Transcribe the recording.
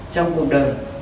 trong cuộc đời